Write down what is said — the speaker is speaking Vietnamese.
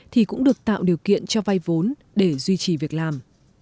thì cũng được tạo điều kiện cho vay vốn để duy trì việc làm